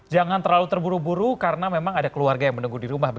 jangan terlalu terburu buru karena memang ada keluarga yang menunggu di rumah